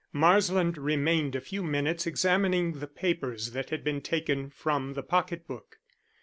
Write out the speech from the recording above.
Marsland remained a few minutes examining the papers that had been taken from the pocket book.